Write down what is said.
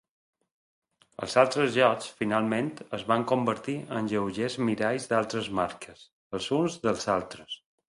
Els tres llocs, finalment, es van convertir en lleugers miralls d'altres marques, els uns dels altres.